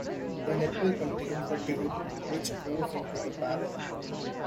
The nipple contains a tube which goes into the barrel.